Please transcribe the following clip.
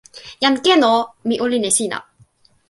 jan Ken o, mi olin e sina.